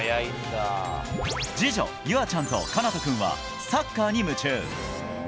次女、ゆあちゃんとかなとくんはサッカーに夢中。